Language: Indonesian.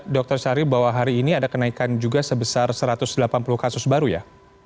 dr syahril bahwa hari ini ada kenaikan juga sebesar satu ratus delapan puluh kasus baru ya